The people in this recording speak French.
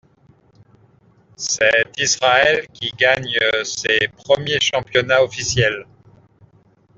C'est Israël qui gagne ces premiers championnats officiels.